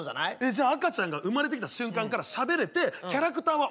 じゃあ赤ちゃんが生まれてきた瞬間からしゃべれてキャラクターはおっさんってこと？